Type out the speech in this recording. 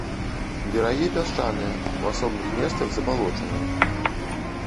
Берагі пясчаныя, у асобных месцах забалочаныя.